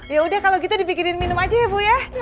yaudah kalau gitu dipikirin minum aja ya bu ya